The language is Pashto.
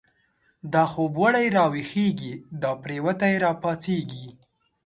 دا خوب و ړی را ویښیږی، دا پریوتی را پاڅیږی